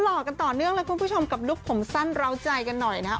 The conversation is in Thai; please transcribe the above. รอกอะไรคุณผู้ชมแล้วกับลูกผมสั้นเร้วใจกันหน่อยนะคะ